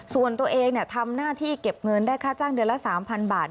ส่วนตัวเองทำหน้าที่เก็บเงินได้ค่าจ้างเดือนละ๓๐๐บาท